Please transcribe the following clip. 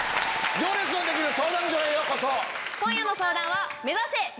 『行列のできる相談所』へようこそ。